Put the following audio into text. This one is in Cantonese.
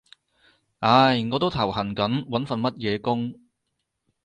唉，我都頭痕緊揾份乜嘢工